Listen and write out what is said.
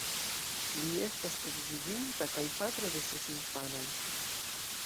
Li estas edziĝinta kaj patro de ses infanoj.